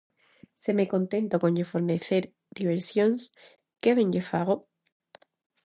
Se me contento con lle fornecer diversións, que ben lle fago?